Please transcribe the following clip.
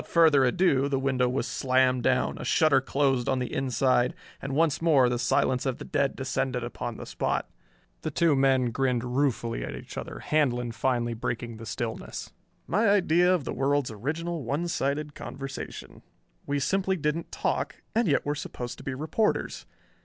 Without further ado the window was slammed down, a shutter closed on the inside, and once more the silence of the dead descended upon the spot. The two men grinned ruefully at each other, Handlon finally breaking the stillness. "My idea of the world's original one sided conversation. We simply didn't talk and yet we're supposed to be reporters.